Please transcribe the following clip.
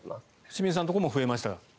清水さんのところも増えましたか？